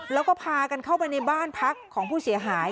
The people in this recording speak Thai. แล้วก็พากันเข้าไปในบ้านพักของผู้เสียหาย